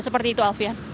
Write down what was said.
seperti itu alfian